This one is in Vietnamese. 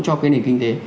cho cái nền kinh tế